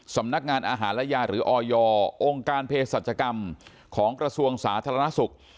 สำนักงานอาหารและยาหรือออยองค์การเพศสัจกรรมของกระทรวงสาธารณสุข